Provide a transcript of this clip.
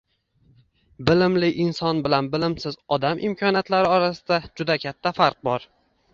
Bilimli inson bilan bilimsiz odam imkoniyatlari orasida juda katta farq bor.